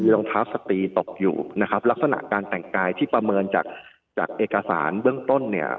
รองท้าสตรีตกอยู่ลักษณะการแต่งกายที่ประเมินจากเอกสารเบื้องต้น